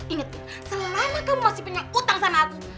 ingat selama kamu masih punya utang sama aku